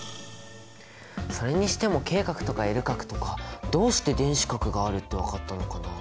それにしてもＫ殻とかＬ殻とかどうして電子殻があるって分かったのかな？